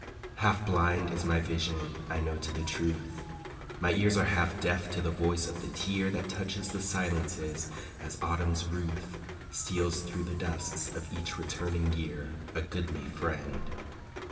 Half blind is my vision I know to the truth, My ears are half deaf to the voice of the tear That touches the silences as Autumn's ruth Steals thru the dusks of each returning year A goodly friend.